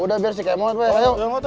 sudah bersih kemot pak ayo